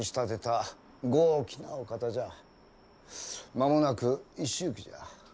間もなく一周忌じゃ。